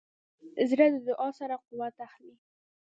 زړه د دعا سره قوت اخلي.